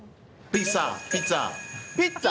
ピッツァ。